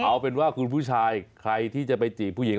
เอาเป็นว่าคุณผู้ชายใครที่จะไปจีบผู้หญิง